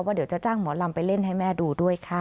เดี๋ยวจะจ้างหมอลำไปเล่นให้แม่ดูด้วยค่ะ